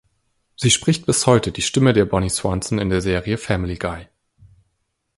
Sie spricht bis heute die Stimme der Bonnie Swanson in der Serie Family Guy.